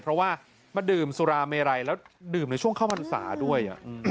เพราะว่ามาดื่มสุราเมไรแล้วดื่มในช่วงเข้าพรรษาด้วย